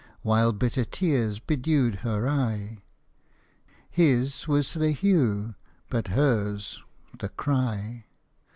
While bitter tears bedewed her eye ? His was the " hew," but hers the " cry."